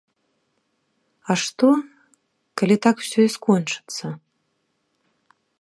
А што, калі так усё і скончыцца?